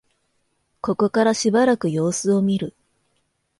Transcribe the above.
ここからしばらく様子を見る